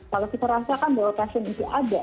kalau kita rasakan bahwa passion itu ada